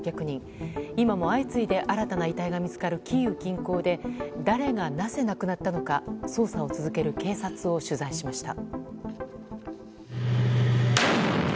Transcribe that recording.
今も相次いで新たな遺体が見つかるキーウ近郊で誰がなぜ亡くなったのか捜査を続ける警察を取材しました。